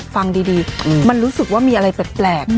ฟังดีมันรู้สึกว่ามีอะไรแปลก